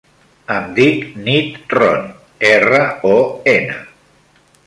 Em dic Nit Ron: erra, o, ena.